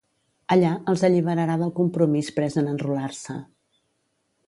Allà els alliberarà del compromís pres en enrolar-se.